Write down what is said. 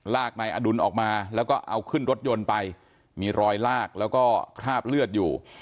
นายอดุลออกมาแล้วก็เอาขึ้นรถยนต์ไปมีรอยลากแล้วก็คราบเลือดอยู่